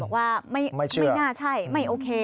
บอกว่าไม่น่าใช่ไม่โอเค